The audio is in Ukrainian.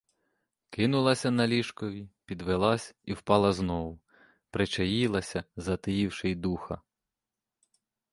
Кинулася на ліжкові, підвелась — і впала знову, причаїлася, затаївши й духа.